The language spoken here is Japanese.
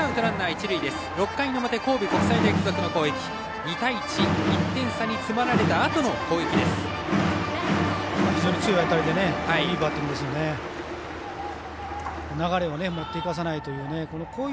６回の表、神戸国際大付属の攻撃２対１と１点差に迫られたあとの攻撃。